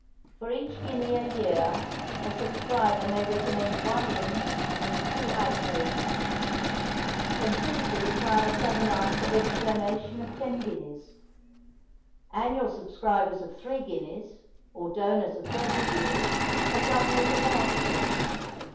For each guinea a year a subscriber may recommend one in and two out patients. Contributors acquire the same right for every donation of ten guineas. Annual subscribers of three guineas, or donors of thirty guineas, are governors of the hospital.